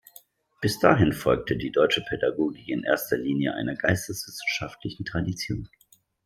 Bis dahin folgte die deutsche Pädagogik in erster Linie einer geisteswissenschaftlichen Tradition.